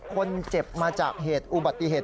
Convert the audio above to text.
คนเจ็บมาจากเหตุอุบัติเหตุ